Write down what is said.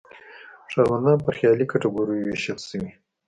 ښاروندان په خیالي کټګوریو ویشل شوي.